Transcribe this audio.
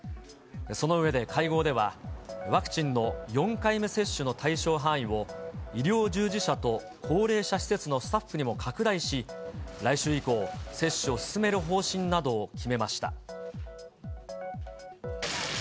その上で、会合では、ワクチンの４回目接種の対象範囲を、医療従事者と高齢者施設のスタッフにも拡大し、来週以降、接種を進める方針などを決めました。